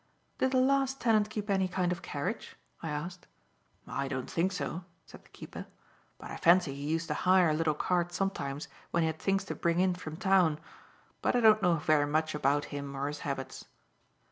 "Did the last tenant keep any kind of carriage?" I asked. "I don't think so," said the keeper, "but I fancy he used to hire a little cart sometimes when he had things to bring in from town; but I don't know very much about him or his habits."